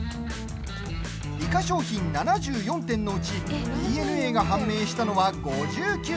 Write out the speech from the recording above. イカ商品７４点のうちＤＮＡが判明したのは５９点。